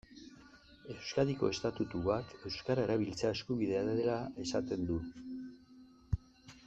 Euskadiko estatutuak euskara erabiltzea eskubidea dela esaten du.